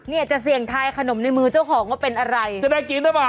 เนี่ยจะเสี่ยงทายขนมในมือเจ้าของว่าเป็นอะไรจะได้กินหรือเปล่า